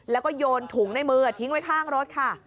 แล้วก็โยนถุงในมือทิ้งไว้ข้างรถค่ะ